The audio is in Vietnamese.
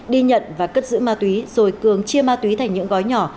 đi nhận và cất giữ ma túy rồi cường chia ma túy thành những gói nhỏ